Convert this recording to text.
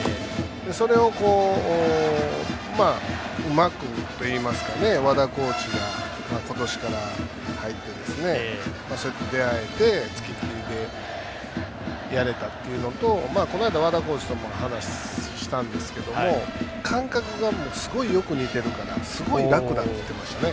それを、うまくといいますか和田コーチが今年から入ってそうやって出会えてつきっきりでやれたというのとこの間、和田コーチとも話したんですけども感覚がすごいよく似てるからすごい楽だって言ってました。